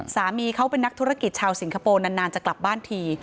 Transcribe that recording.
สามีเขาเป็นนักธุรกิจชาวสิงคโปร์นานจะกลับบ้านที